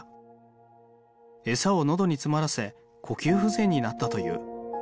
えさをのどに詰まらせ呼吸不全になったという。